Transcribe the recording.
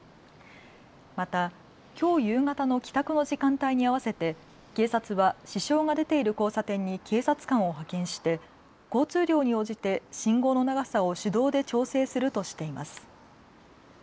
また、きょう夕方の帰宅の時間帯に合わせて警察は支障が出ている交差点に警察官を派遣して交通量に応じて信号の長さを手動で調整するとしています。